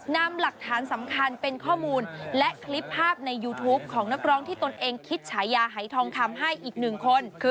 นำหลักฐานสำคัญเป็นข้อมูลและคลิปภาพในยูทูปของนักร้องที่ตนเองคิดฉายาหายทองคำให้อีกหนึ่งคน